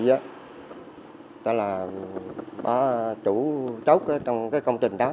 đó là bà chủ chốc trong công trình đó